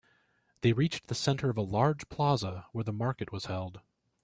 They reached the center of a large plaza where the market was held.